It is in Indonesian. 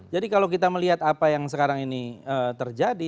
tapi kita lihat apa yang sekarang ini terjadi